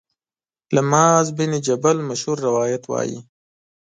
له معاذ بن جبل مشهور روایت وايي